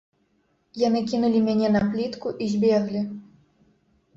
Яны кінулі мяне на плітку і збеглі.